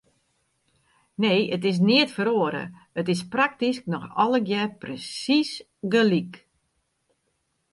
Nee, it is neat feroare, it is praktysk noch allegear persiis gelyk.